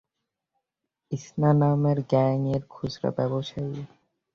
সান্থানামের gang এর খুচরা ব্যবসায়ী।